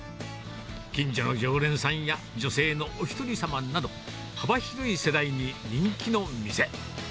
近所の常連さんや女性のおひとりさまなど、幅広い世代に人気の店。